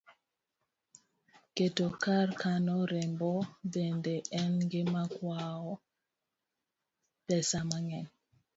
Keto kar kano remo bende en gima kawo pesa mang'eny